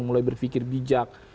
mulai berpikir bijak